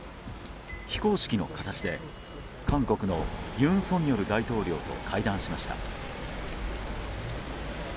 非公式の形で、韓国の尹錫悦大統領と会談しました。